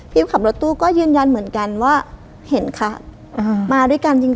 ขับรถตู้ก็ยืนยันเหมือนกันว่าเห็นค่ะมาด้วยกันจริง